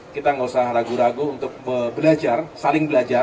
kita nggak usah ragu ragu untuk belajar saling belajar